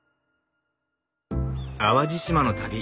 淡路島の旅。